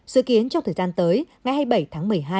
dự kiến trong thời gian tới ngày hai mươi bảy tháng một mươi hai